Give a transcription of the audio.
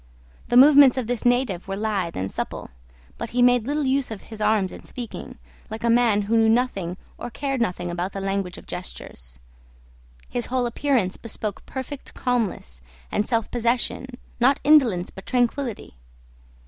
The movements of this native were lithe and supple; but he made little use of his arms in speaking, like a man who knew nothing or cared nothing about the language of gestures. His whole appearance bespoke perfect calmness and self possession, not indolence but tranquillity.